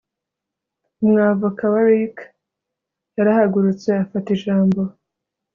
Umwavocat wa Ricky yarahagurutse afata ijambo